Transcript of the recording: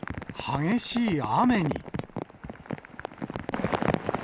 激しい雨に。